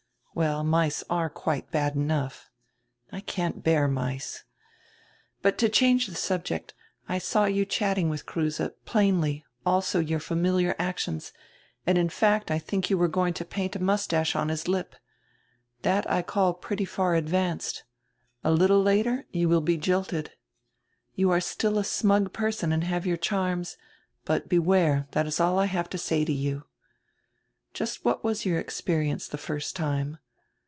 "Well, mice are quite bad enough. I can't bear mice. But, to change die subject, I saw you chatting with Kruse, plainly, also your familiar actions, and in fact I think you were going to paint a moustache on his lip. That I call pretty far advanced. A little later you will be jilted. You are still a smug person and have your charms. But beware, that is all I have to say to you. Just what was your experi ence the first time?